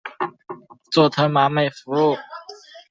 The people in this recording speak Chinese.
佐藤麻美服务。